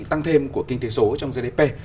tăng thêm của kinh tế số trong gdp